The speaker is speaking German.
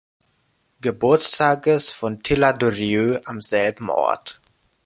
Geburtstages von Tilla Durieux am selben Ort.